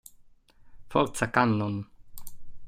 Forza, Cannon!